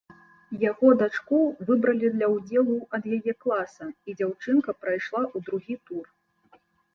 Яго дачку выбралі для ўдзелу ад яе класа, і дзяўчынка прайшла ў другі тур.